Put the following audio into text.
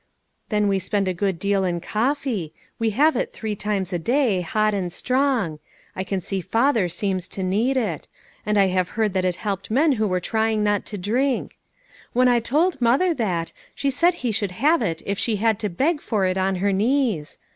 Then we spend a good deal in coffee ; we have it three times a day, hot and strong ; I can see father seems to need it ; and I have heard that it helped men who were trying not to drink. When I told mother that, she said he should have it if she had to beg for it on her knees.